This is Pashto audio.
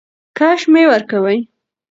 کش مي ورکوی .